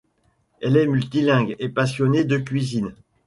Elle est multilingue et passionnée de cuisine.